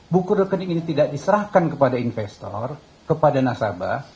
buku rekening ini tidak diserahkan kepada investor kepada nasabah